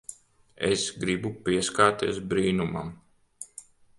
Es gribu pieskarties brīnumam.